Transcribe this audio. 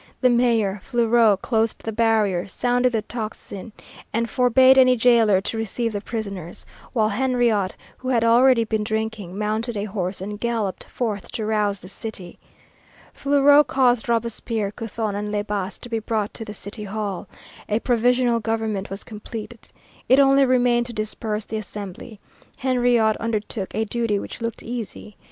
The Mayor, Fleuriot, closed the barriers, sounded the tocsin, and forbade any jailer to receive the prisoners; while Henriot, who had already been drinking, mounted a horse and galloped forth to rouse the city. Fleuriot caused Robespierre, Couthon, and Le Bas to be brought to the City Hall. A provisional government was completed. It only remained to disperse the Assembly. Henriot undertook a duty which looked easy.